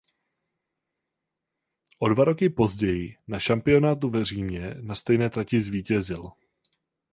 O dva roky později na šampionátu v Římě na stejné trati zvítězil.